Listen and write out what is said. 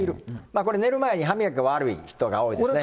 これ、寝る前に歯磨きが悪い人が多いですね。